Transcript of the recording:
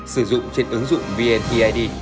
sử dụng trên ứng dụng vneid